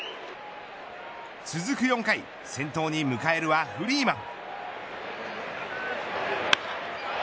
続く４回先頭に迎えるはフリーマン。